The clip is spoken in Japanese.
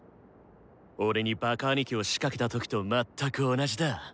俺にバカ兄貴を仕掛けた時と全く同じだ。